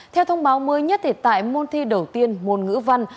theo thông báo mới nhất tại môn thi đầu tiên môn ngữ văn